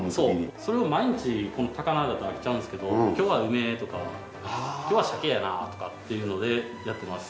それを毎日この高菜だと飽きちゃうんですけど今日は梅とか今日は鮭やなとかっていうのでやってます。